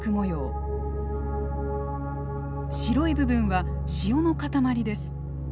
白い部分は塩の塊です。